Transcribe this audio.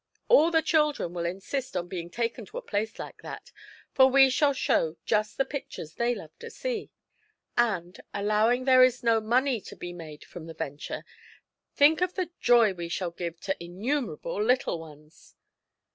"All the children will insist on being taken to a place like that, for we shall show just the pictures they love to see. And, allowing there is no money to be made from the venture, think of the joy we shall give to innumerable little ones!"